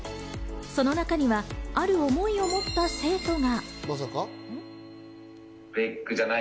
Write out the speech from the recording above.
その中には、ある思いを持った生徒が。